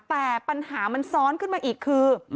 แต่ปัญหามันซ้อนขึ้นมาอีกคือ